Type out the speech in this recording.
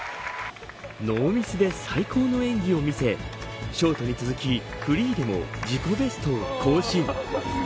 ノーミスで最高の演技を見せショートに続きフリーでも自己ベストを更新。